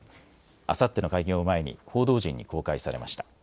あさっての開業を前に、報道陣に公開されました。